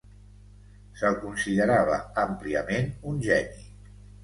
Se'l considerava àmpliament un geni.